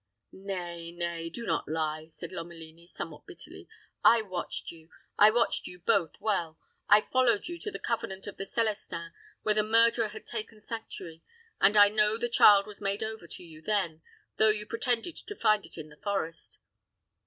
"Nay, nay, do not lie," said Lomelini, somewhat bitterly. "I watched you I watched you both well I followed you to the convent of the Celestins, where the murderer had taken sanctuary; and I know the child was made over to you then, though you pretended to find it in the forest."